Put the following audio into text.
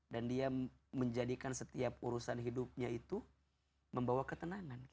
dan dia menjadikan setiap urusan hidupnya itu membawa ketenangan